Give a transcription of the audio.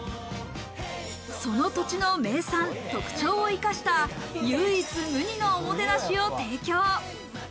その土地の名産、特徴を生かした、唯一無二のおもてなしを提供。